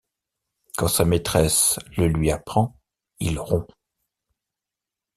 Quand sa maîtresse le lui apprend, il rompt.